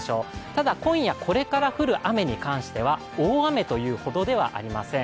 ただ今夜、これから降る雨に関しては大雨というほどではありません。